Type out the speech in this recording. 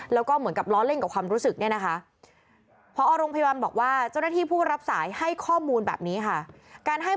แล้วก็เหมือนกับล้อเล่นกับความรู้สึก